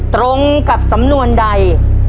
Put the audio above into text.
ตรงกับสำนวนใด